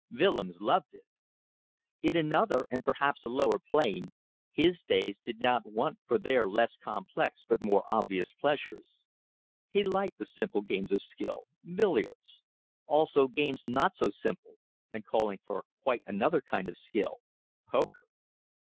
Willems loved it. In another, and perhaps a lower plane, his days did not want for their less complex but more obvious pleasures. He liked the simple games of skill billiards; also games not so simple, and calling for quite another kind of skill poker.